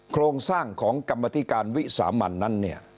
โครงสร้างของกรรมธิการวิสามันนั้นเนี่ย